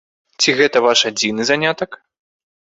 Ці гэта ваш адзіны занятак?